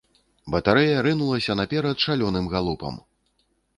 Батарэя рынулася наўперад шалёным галопам.